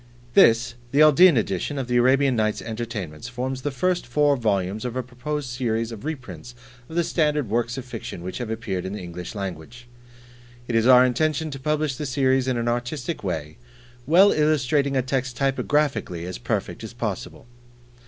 This, the "Aldine Edition" of "The Arabian Nights Entertainments," forms the first four volumes of a proposed series of reprints of the Standard works of fiction which have appeared in the English language. It is our intention to publish the series in an artistic way, well illustrating a text typographically as perfect as possible.